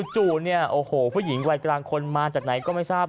จู่เนี่ยโอ้โหผู้หญิงวัยกลางคนมาจากไหนก็ไม่ทราบ